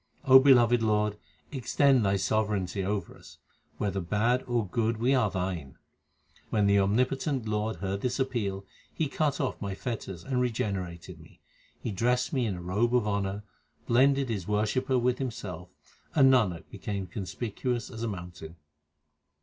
O beloved Lord, extend Thy sovereignty over us. Whether bad or good we are Thine. When the omnipotent Lord heard this appeal, He cut off my fetters and regenerated me. He dressed me in a robe of honour, blended His wor shipper with Himself, and Nanak became conspicuous as a mountain.